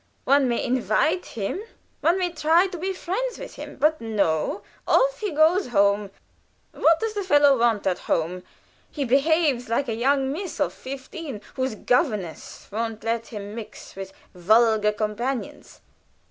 One may invite him, one may try to be friends with him, but, no! off he goes home! What does the fellow want at home? He behaves like a young miss of fifteen, whose governess won't let her mix with vulgar companions."